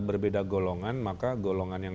berbeda golongan maka golongan yang